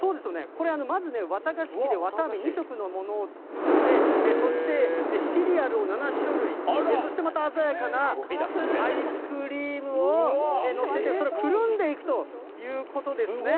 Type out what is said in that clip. これ、まずね、綿菓子機でわたあめ２色のものを作って、そしてシリアルを７種類、そしてまた鮮やかなアイスクリームを載せて、それをくるんでいくということですね。